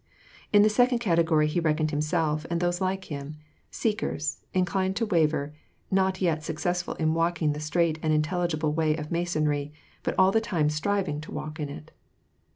In the second category, he reckoned himself, and those like himself — seekers, inclined to waver, not yet successful in walking the straight and intelligible way of Masonry, but all the time striving to walk in it.